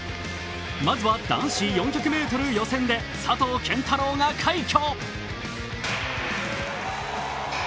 まずは男子４００ｍ予選で佐藤拳太郎が快挙。